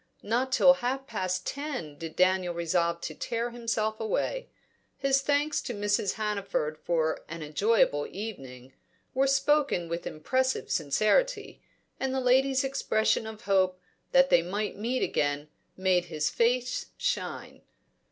Not till half past ten did Daniel resolve to tear himself away. His thanks to Mrs. Hannaford for an "enjoyable evening" were spoken with impressive sincerity, and the lady's expression of hope that they might meet again made his face shine.